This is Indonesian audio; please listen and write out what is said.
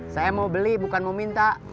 saya mau beli bukan mau minta